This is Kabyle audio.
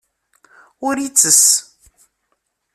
Ur ittess.